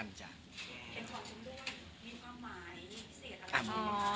เห็นของชำรวยมีความหมายพิเศษอะไรอย่างนี้